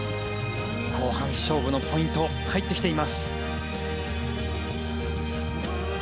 後半、勝負のポイントに入ってきています。